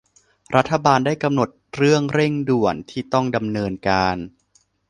รัฐบาลได้กำหนดเรื่องเร่งด่วนที่ต้องดำเนินการ